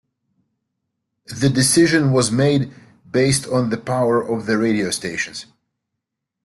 The decision was made based on the power of the radio stations.